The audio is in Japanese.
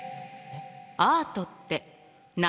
「アートって何？」。